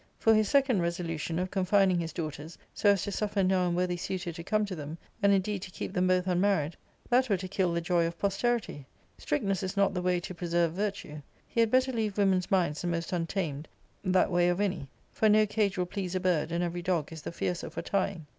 For his second resolution, of con fining his daughters, so as to suffer no unworthy suitor to come to them, and, indeed, to keep them both unmarried T that were to kill the joy of posterity ; strictness_.is not *^ the way to preserve virtue ; he had better leave women's minds the most untamed that way 6f any ; for no cage will please a bird, and every 'dog is the fiercer for tying.